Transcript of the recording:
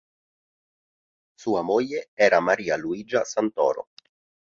Sua moglie era Maria Luigia Santoro.